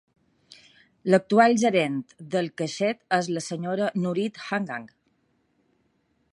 L'actual gerent del Keshet és la senyora Nurit Haghagh.